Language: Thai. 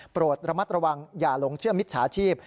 โปรดระมัดระวังอย่าหลงเชื่อมิจฉาชีพ